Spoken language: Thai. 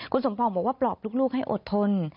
คุณสมปองบอกว่าปลอบลูกให้อดทน